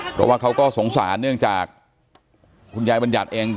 เพราะว่าเขาก็สงสารเนื่องจากคุณยายบัญญัติเอง